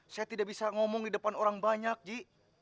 saya tidak bisa ngomong di depan orang banyak ji